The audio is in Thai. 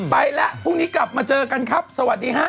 ไปแล้วพรุ่งนี้กลับมาเจอกันครับสวัสดีฮะ